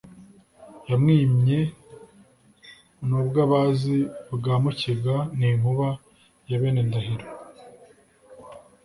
Yamwimye n'ubwabazi bwa Mukiga ni inkuba ya bene Ndahiro